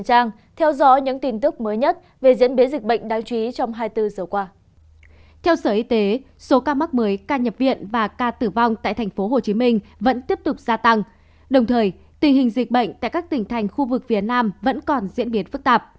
đồng thời tình hình dịch bệnh tại các tỉnh thành khu vực phía nam vẫn còn diễn biến phức tạp